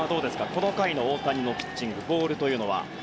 この回の大谷のピッチングボールというのは。